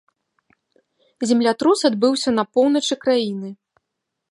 Землятрус адбыўся на поўначы краіны.